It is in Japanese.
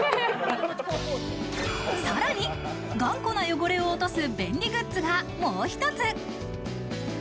さらに頑固な汚れを落とす便利グッズが、もう一つ。